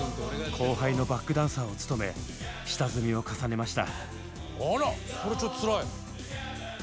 後輩のバックダンサーを務め下積みを重ねました。